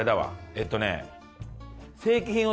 えっとね。